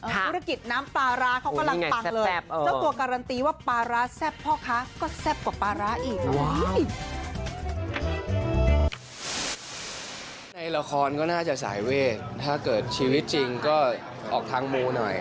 ภูติกิจน้ำปาราเขากำลังปังเลย